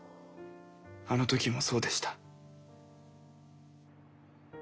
あの時もそうでした。